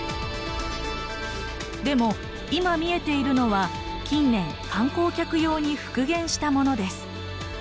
でも今見えているのは近年観光客用に復元したものです。